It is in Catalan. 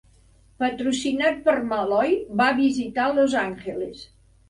Patrocinat per Malloy, va visitar Los Angeles.